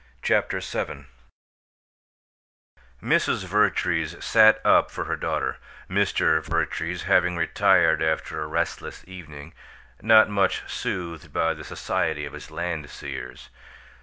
CHAPTER VII Mrs. Vertrees "sat up" for her daughter, Mr. Vertrees having retired after a restless evening, not much soothed by the society of his Landseers.